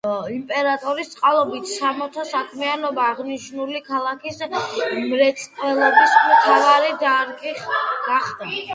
იმპერატორის წყალობით სამთო საქმიანობა აღნიშნული ქალაქის მრეწველობის მთავარი დარგი გახდა.